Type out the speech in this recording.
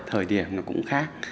thời điểm nó cũng khác